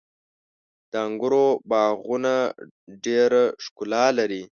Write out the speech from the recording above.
• د انګورو باغونه ډېره ښکلا لري.